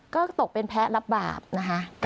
ก็ตกเป็นแพ้รับบาปนะคะ